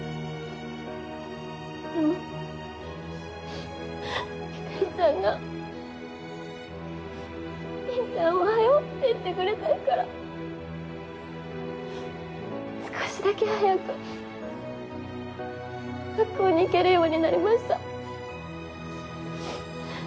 でもひかりちゃんが「凛ちゃんおはよ！」って言ってくれた日から少しだけ早く学校に行けるようになりました。